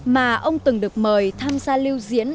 mà ông từng được mời tham gia lưu diễn